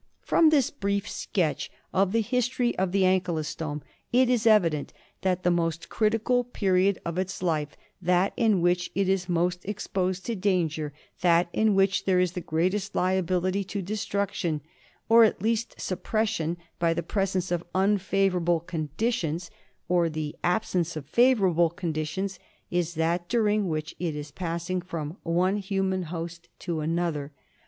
From this brief sketch of the history of the ankylo stome it is evident that the most critical period of its life, that in which it is most exposed to danger, that in which there is the greatest liability to destruction, or at least suppression, by the presence of unfavourable conditions or the absence of favourable conditions, is that during which it is passing from one human host to another.